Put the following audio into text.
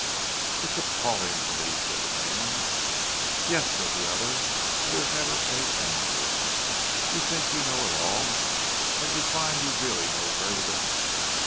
"It's appalling to me," said the man. "Yes," said the other, "and there's never any end to it. You think you know it all, but you find you really know very little.